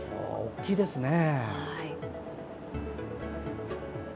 大きいですね。